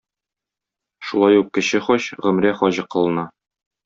Шулай ук кече хаҗ, гомрә хаҗы кылына.